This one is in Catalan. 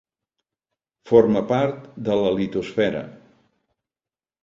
Forma part de la litosfera.